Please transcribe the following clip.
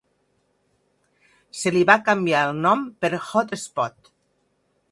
Se li va canviar el nom per "Hot Spot".